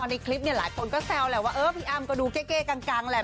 อันนี้คลิปเนี่ยหลายคนก็แซวแล้วว่าพี่อ้ำก็ดูเก๊กันแหละ